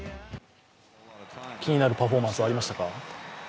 気になるパフォーマンス、ありましたか？